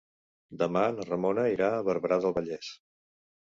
Demà na Ramona irà a Barberà del Vallès.